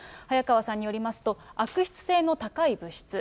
早川さんによりますと、悪質性の高い物質。